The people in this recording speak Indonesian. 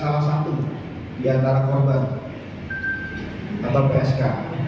salah satu di antara korban atau psk